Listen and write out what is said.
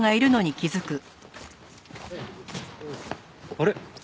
あれ？